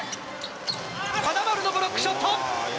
金丸のブロックショット。